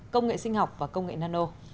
công nghệ sinh học và công nghệ nano